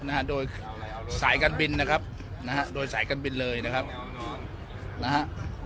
นะฮะโดยสายการบินนะครับนะฮะโดยสายการบินเลยนะครับนะฮะ